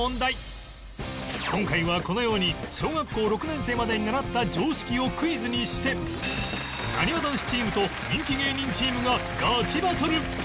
今回はこのように小学校６年生までに習った常識をクイズにしてなにわ男子チームと人気芸人チームがガチバトル！